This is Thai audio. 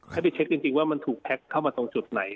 ให้ไปเช็คจริงว่ามันถูกแพ็คเข้ามาตรงจุดไหน